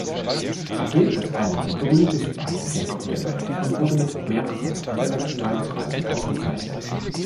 Er gilt als einer der berühmtesten Architekten der Welt und wurde mit mehreren internationalen Preisen ausgezeichnet.